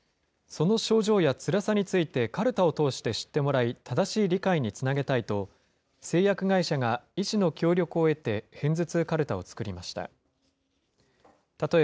その症状やつらさについてかるたを通して知ってもらい、正しい理解につなげたいと、製薬会社が医師の協力を得て、ヘンズツウかるたを作りました。